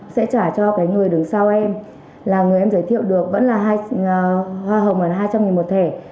sẽ trả cho cái người đứng sau em là người em giới thiệu được vẫn là hai hoa hồng là hai trăm linh nghìn một thẻ